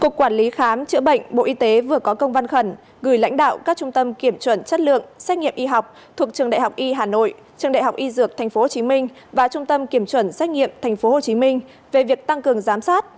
cục quản lý khám chữa bệnh bộ y tế vừa có công văn khẩn gửi lãnh đạo các trung tâm kiểm chuẩn chất lượng xét nghiệm y học thuộc trường đại học y hà nội trường đại học y dược tp hcm và trung tâm kiểm chuẩn xét nghiệm tp hcm về việc tăng cường giám sát